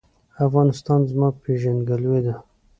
افغانستان زما پیژندګلوي ده